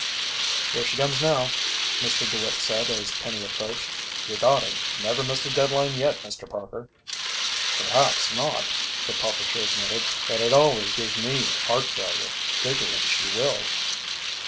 "Here she comes now," Mr. DeWitt said as Penny approached. "Your daughter never missed a deadline yet, Mr. Parker." "Perhaps not," the publisher admitted, "but it always gives me heart failure, figuring she will."